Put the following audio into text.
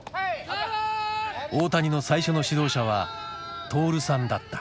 大谷の最初の指導者は徹さんだった。